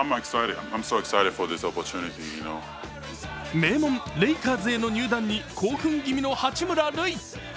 名門・レイカーズへの入団に興奮気味の八村塁。